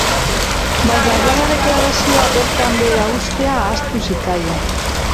Baina gerra deklarazioa bertan behera uztea ahaztu zitzaien.